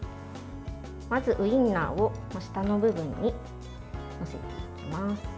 まずウインナーを下の部分に載せていきます。